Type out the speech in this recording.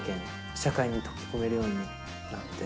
社会に溶け込めるようになって。